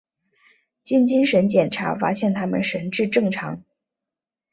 经精神检查发现他们神智正常。